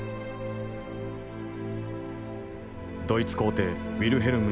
ドイツ皇帝ウィルヘルム